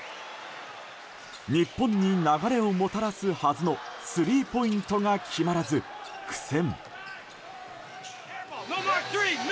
日本に流れをもたらすはずのスリーポイントが決まらず苦戦。